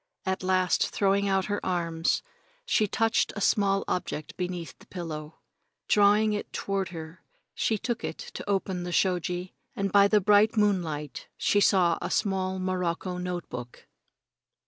At last, throwing out her arms, she touched a small object beneath the pillow. Drawing it toward her, she took it to the open shoji, and by the bright moonlight she saw a small morocco note book.